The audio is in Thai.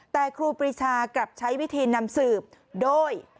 แต่ครูปรีชากลับใช้วิธีนำสืบโดย